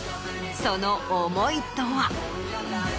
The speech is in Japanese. その思いとは？